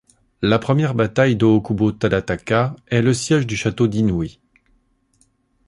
La première bataille d'Ōkubo Tadataka est le siège du château d'Inui.